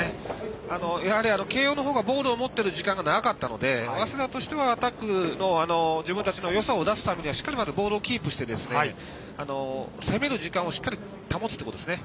やはり慶応の方がボールを持っている時間が長かったので、早稲田としてはアタックの自分たちのよさを出すためにはしっかりまずボールをキープして攻める時間を保つということですね。